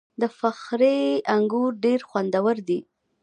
د فخری انګور ډیر خوندور دي.